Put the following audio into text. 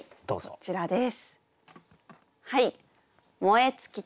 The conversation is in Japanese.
こちらです。